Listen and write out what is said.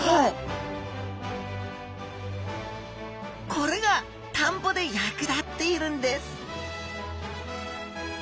これが田んぼで役立っているんです